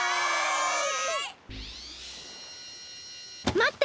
まって！